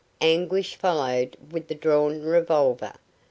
Anguish followed with drawn revolver.